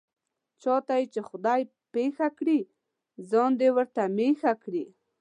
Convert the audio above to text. چاته یې چې خدای پېښه کړي، ځان دې ورته مېښه کړي.